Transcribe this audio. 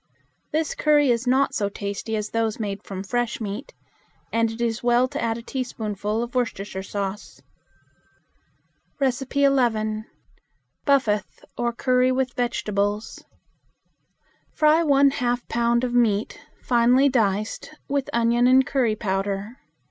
This curry is not so tasty as those made from fresh meat, and it is well to add a teaspoonful of Worcestershire sauce. 11. Buffath, or Curry with Vegetables. Fry one half pound of meat, finely diced, with onion and curry powder.